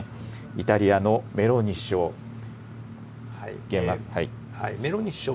イタリアのメローニ首相。